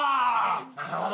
なるほど。